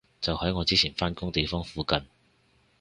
就喺我之前返工地方附近